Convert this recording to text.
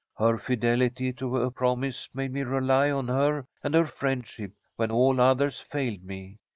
Her fidelity to a promise made me rely on her and her friendship when all others failed me.